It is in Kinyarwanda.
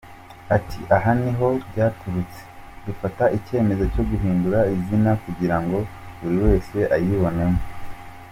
Ati “aha niho byaturutse dufata icyemezo cyo guhindura izina kugira ngo buri wese ayibonemo”.